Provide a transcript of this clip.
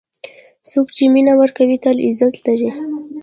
څوک چې مینه ورکوي، تل عزت لري.